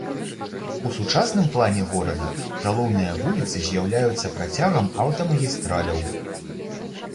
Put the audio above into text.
У сучасным плане горада галоўныя вуліцы з'яўляюцца працягам аўтамагістраляў.